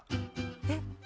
えっ？